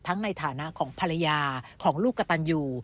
ในฐานะของภรรยาของลูกกระตันยู